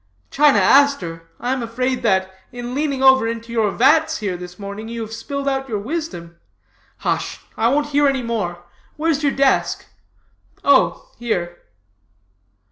China Aster, I am afraid that, in leaning over into your vats here, this, morning, you have spilled out your wisdom. Hush! I won't hear any more. Where's your desk? Oh, here.'